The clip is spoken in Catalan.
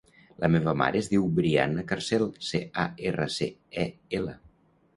La meva mare es diu Brianna Carcel: ce, a, erra, ce, e, ela.